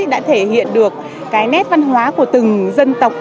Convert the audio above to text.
đã thể hiện được cái nét văn hóa của từng dân tộc